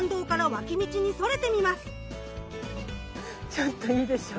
ちょっといいでしょう。